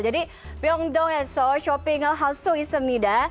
jadi byongdong ya seoul